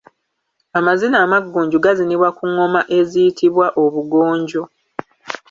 Amazina Amaggunju gazinibwa ku ngoma eziyitibwa Obugonjo.